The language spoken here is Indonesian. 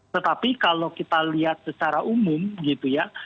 tetapi kalau kita lihat secara umum gitu ya